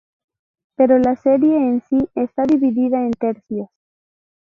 Pero la serie en sí está dividida en tercios.